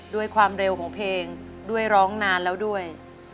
ด้วยความเร็วของเพลงด้วยร้องนานแล้วด้วย